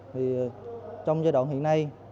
thì trong giai đoạn hiện nay